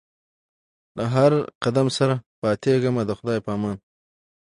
له هر قدم سره پاتېږمه د خدای په امان